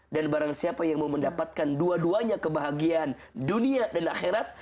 dan barang siapa yang mau mendapatkan dua duanya kebahagiaan dunia dan akhirat